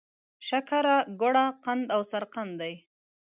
شکره، ګوړه، قند او سرقند دي.